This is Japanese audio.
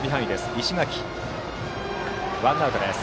石垣、さばいてワンアウトです。